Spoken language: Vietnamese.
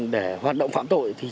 để hoạt động phạm tội